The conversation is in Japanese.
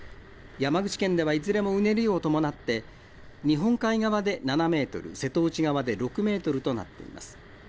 山口県では、いずれもうねりを伴って、日本海側で７メートル、瀬戸内側で６メートルとなっています。